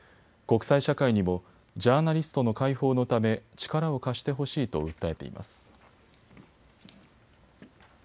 国際社会にもジャーナリストの解放のため力を貸してほしいと訴えています。